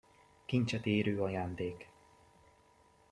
Kincset érő ajándék!